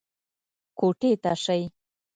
کوټې ته شئ.